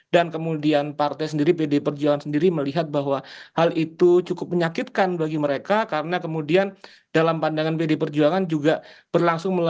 dan kemudian partai sendiri pdi perjuangan sendiri melihat bahwa hal itu cukup menyakitkan bagi mereka karena kemudian dalam pandangan pdi perjuangan juga berlangsung melalui